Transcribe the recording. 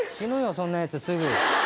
そんなヤツすぐ。